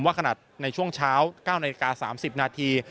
ขนาดในช่วงเช้า๙นาฬิกา๓๐นาที